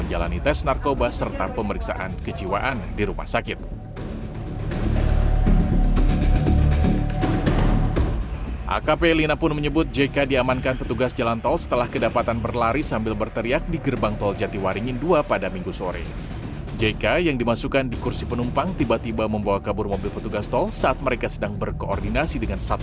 jangan lupa like share dan subscribe channel ini